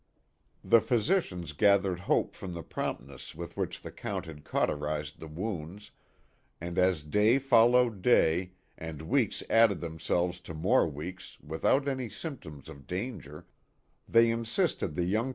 The physicians gathered hope from the promptness with which the Count had cauter ized the wounds, and as day followed day, and weeks added themselves to more weeks without any symptoms of danger, they insisted the young A LONG HORROR.